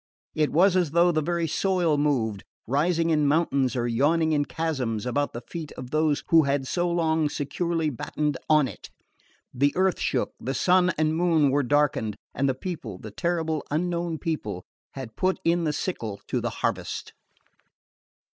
It was as though the very soil moved, rising in mountains or yawning in chasms about the feet of those who had so long securely battened on it. The earth shook, the sun and moon were darkened, and the people, the terrible unknown people, had put in the sickle to the harvest.